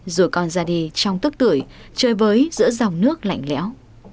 rồi con ra đi trong tức tuổi chơi với giữa dòng nước lạnh lẽo